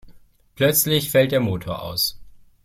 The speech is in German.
Plötzlich fällt der Motor aus.